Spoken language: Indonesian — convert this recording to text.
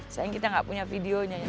sayang kita nggak punya videonya ya